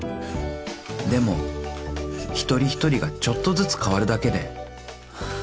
［でも一人一人がちょっとずつ変わるだけで］